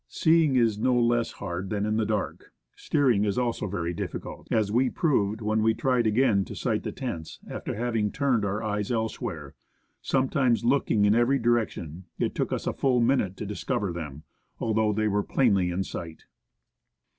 Seeing is no less hard than in the dark. Steering is also very difficult, as we proved when we tried again to sight the tents after having turned our eyes elsewhere ; sometimes, looking in every direction, it took us a full minute to discover them, although they were plainly in sight.